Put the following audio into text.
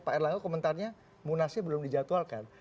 pak erlangga komentarnya munasnya belum dijadwalkan